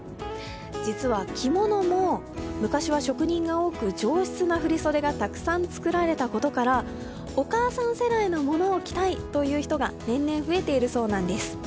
実は着物も昔は職人が多く上質な振り袖がたくさん作られたことからお母さん世代のものを着たいという人が増えているそうなんです。